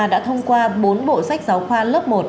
đã thông qua bốn bộ sách giáo khoa lớp một